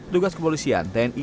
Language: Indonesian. tugas kepolisian tni